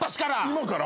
今から？